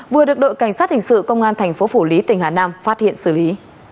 vừa được đội cảnh sát hình sự công an tp phủ lý tỉnh hà nam phát hiện xử lý